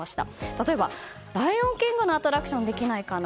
例えば、「ライオン・キング」のアトラクションできないかな？